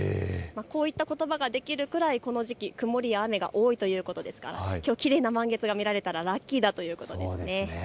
こういったことばができるくらいこの時期、曇りや雨が多いということですから、きょうきれいな満月が見られたらラッキーということですね。